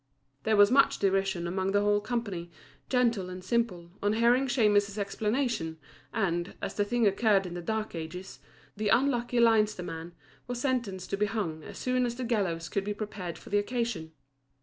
There was much derision among the whole company, gentle and simple, on hearing Shemus's explanation, and, as the thing occurred in the dark ages, the unlucky Leinster man was sentenced to be hung as soon as the gallows could be prepared for the occasion.